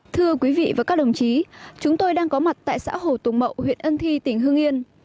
thưa quý vị và các đồng chí chúng tôi đang có mặt tại xã hồ tùng mậu huyện ân thi tỉnh hương yên